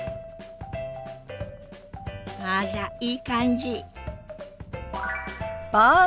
あらいい感じ。